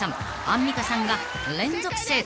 アンミカさんが連続正解］